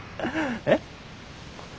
えっ？